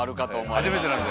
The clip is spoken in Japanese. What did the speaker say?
初めてなんで。